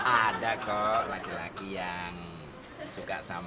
ada kok laki laki yang nyari suami